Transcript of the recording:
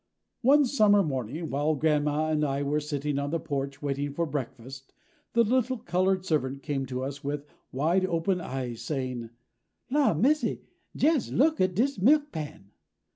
One summer morning, while Grandma and I were sitting on the porch waiting for breakfast, the little colored servant came to us with wide open eyes, saying: "La, Missy, jes look at dis milk pan!"